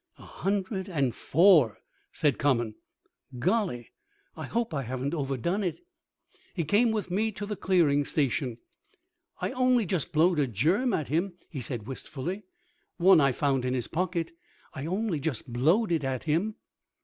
"A hundred and four," said Common. "Golly! I hope I haven't over done it." He came with me to the clearing station. "I only just blowed a germ at him," he said wistfully "one I found in his pocket. I only just blowed it at him."